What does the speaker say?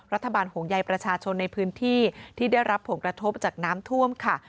ห่วงใยประชาชนในพื้นที่ที่ได้รับผลกระทบจากน้ำท่วมค่ะ